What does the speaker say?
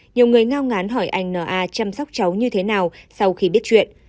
nhiều người ngao ngán hỏi anh n a chăm sóc cháu như thế nào sau khi biết chuyện